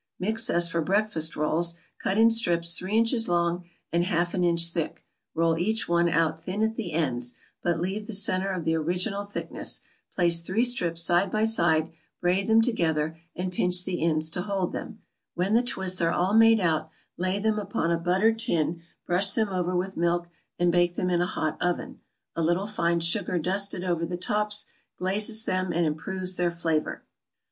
= Mix as for breakfast rolls, cut in strips three inches long and half an inch thick; roll each one out thin at the ends, but leave the centre of the original thickness; place three strips side by side, braid them together, and pinch the ends to hold them; when the twists are all made out, lay them upon a buttered tin, brush them over with milk, and bake them in a hot oven. A little fine sugar dusted over the tops glazes them and improves their flavor.